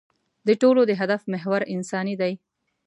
د ټولو د هدف محور انساني دی.